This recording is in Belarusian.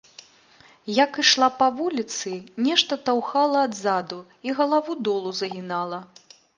Як ішла па вуліцы, нешта таўхала адзаду і галаву долу загінала.